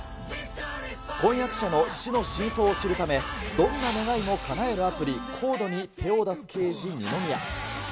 婚約者の死の真相を知るため、どんな願いもかなえるアプリ、ＣＯＤＥに手を出す刑事、二宮。